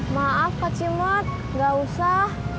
maaf kacimot nggak usah